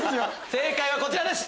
正解はこちらです。